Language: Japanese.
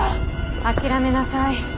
諦めなさい。